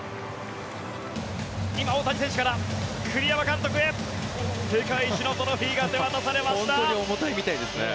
大谷選手から栗山監督へ世界一のトロフィーが手渡されました。